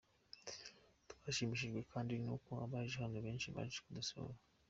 Twashimishijwe kandi n’uko abaje hano benshi baje kudusura.